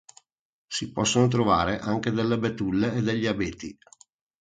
Si possono trovare anche delle betulle e degli abeti.